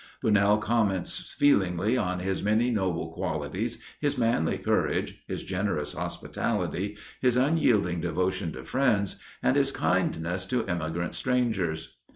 Bunnell comments feelingly on "his many noble qualities, his manly courage, his generous hospitality, his unyielding devotion to friends, and his kindness to immigrant strangers."